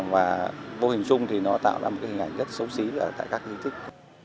và vô hình chung thì nó tạo ra một cái hình ảnh rất xấu xí tại các di tích